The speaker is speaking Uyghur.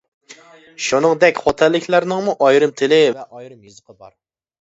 شۇنىڭدەك خوتەنلىكلەرنىڭمۇ ئايرىم تىلى ۋە ئايرىم يېزىقى بار.